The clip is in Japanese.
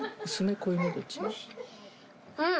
うん！